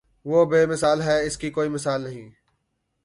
وہ بے مثال ہے اس کی کوئی مثال نہیں